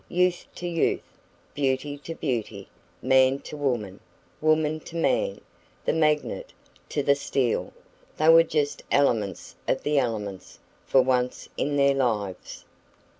Youth to youth, beauty to beauty, man to woman, woman to man, the magnet to the steel they were just elements of the elements, for once in their lives.